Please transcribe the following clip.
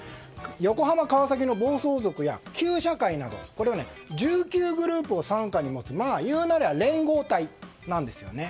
横浜、川崎の暴走族や旧車會などこれは１９グループを傘下に持つ言うならば連合体なんですね。